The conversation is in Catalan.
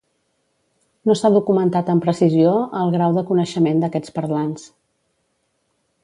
No s'ha documentat amb precisió el grau de coneixement d'aquests parlants.